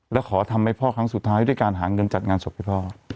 แล้วขอทำให้พ่อครั้งสุดท้ายด้วยการหาเงินจัดงานศพให้พ่อ